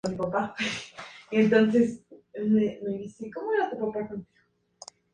El líder sufi Mohammad fue detenido más tarde en un choque armado.